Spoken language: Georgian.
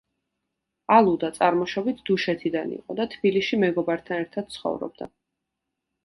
ალუდა წარმოშობით დუშეთიდან იყო და თბილისში მეგობართან ერთად ცხოვრობდა.